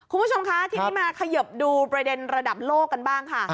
คุณผู้ชมคะทีนี้มาเขยิบดูประเด็นระดับโลกกันบ้างค่ะ